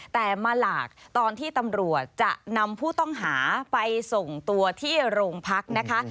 แต่มาหลากตอนที่ตำรวจจะนำผู้ต้องหาไปส่งตัวที่โรงพักนะคะ